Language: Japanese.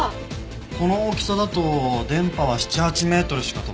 この大きさだと電波は７８メートルしか飛ばないね。